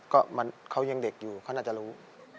ก็เขายังเด็กอยู่เขาน่าจะรู้